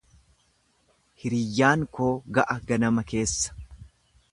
Hiriyyaan koo ka'a ganama keessa.